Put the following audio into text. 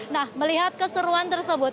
nah melihat keseruan tersebut